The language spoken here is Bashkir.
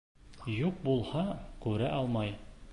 Юҡ булһа, күрә алмай.